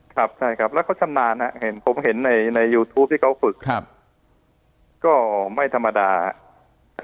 ครับใช่ครับแล้วเขาชำนาญฮะผมเห็นในยูทูปที่เขาฝึกก็ไม่ธรรมดาฮะ